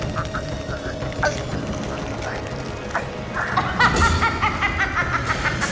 มึงไม่อยู่ที่ไรมีเรื่องทุกที